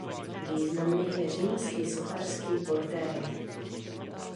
Významný je římský sochařský portrét.